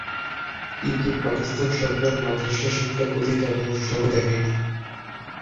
কিন্তু পাকিস্তান সরকার মাদ্রাসা শিক্ষার প্রতি তেমন উৎসাহ দেখায়নি।